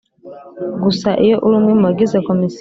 gusa iyo ari umwe mu bagize Komisiyo